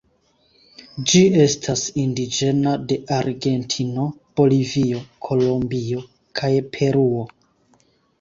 Ĝi estas indiĝena de Argentino, Bolivio, Kolombio kaj Peruo.